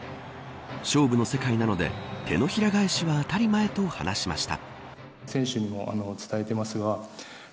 勝負の世界なので手のひら返しは当たり前と話しました。